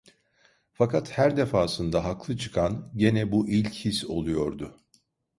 Fakat her defasında haklı çıkan gene bu ilk his oluyordu.